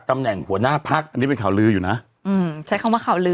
แผ่นแหน่งขัวหน้าภักรอันนี้เป็นข่าวลืออยู่นะใช้ต้องว่าข่าวลือ